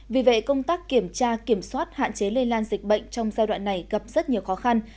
vì vậy công tác kiểm tra kiểm soát hạn chế lây lan dịch bệnh trong giai đoạn này gặp rất nhiều khó khăn